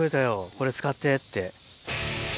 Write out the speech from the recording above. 「これ使って」って。